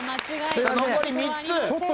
残り３つ。